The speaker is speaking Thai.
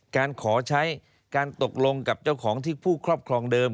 การขอใช้การตกลงกับเจ้าของที่ผู้ครอบครองเดิม